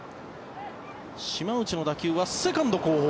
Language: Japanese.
島内の打球はセカンド後方。